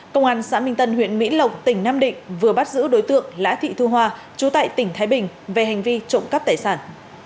công an xã minh tân huyện mỹ lộc tỉnh nam định vừa bắt giữ đối tượng lã thị thu hoa chú tại tỉnh thái bình về hành vi trộm cắp tài sản